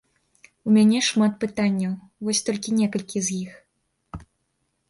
У мяне шмат пытанняў, вось толькі некалькі з іх.